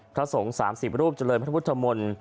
พระสงฆ์๓๐รูปเจริญพระพุทธมนต์